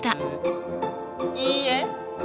いいえ。